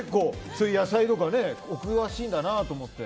そういう野菜とかお詳しいんだなと思って。